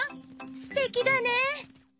すてきだね。